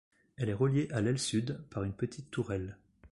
Elle est reliée à l'aile sud par une petite tourelle.